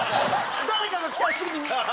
誰かが来たらすぐに。